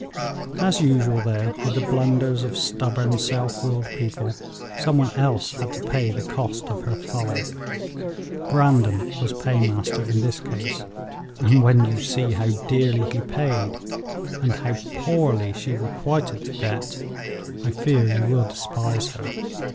As usual though, with the blunders of stubborn, self willed people, some one else had to pay the cost of her folly. Brandon was paymaster in this case, and when you see how dearly he paid, and how poorly she requited the debt, I fear you will despise her.